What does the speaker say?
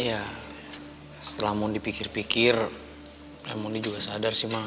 iya setelah moni pikir pikir moni juga sadar sih ma